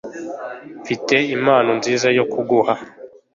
mfite impano nziza yo kuguha